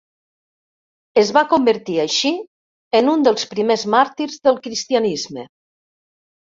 Es va convertir així en un dels primers màrtirs del cristianisme.